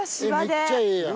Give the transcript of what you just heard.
めっちゃええやん。